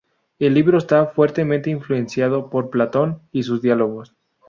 El libro está fuertemente influenciado por Platón y sus diálogos.